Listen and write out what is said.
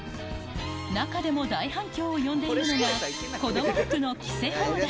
中でも大反響を呼んでいるのが、子ども服の着せ放題。